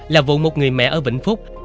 là vụ một người mẹ ở vĩnh phúc